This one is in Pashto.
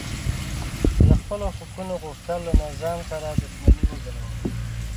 که د خپلو حقونو غوښتل له نظام سره دښمني وګڼو